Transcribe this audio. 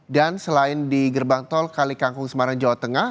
dan selain di gerbang tol kalikangkung semarang jawa tengah